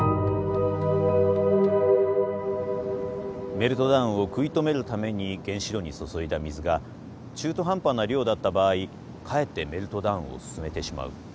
メルトダウンを食い止めるために原子炉に注いだ水が中途半端な量だった場合かえってメルトダウンを進めてしまう。